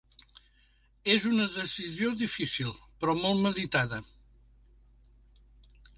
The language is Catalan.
És una decisió difícil però molt meditada.